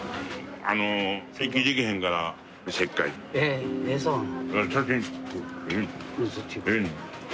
ええそうなん？